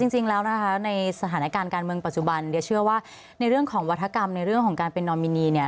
จริงแล้วนะคะในสถานการณ์การเมืองปัจจุบันเดียเชื่อว่าในเรื่องของวัฒกรรมในเรื่องของการเป็นนอมินีเนี่ย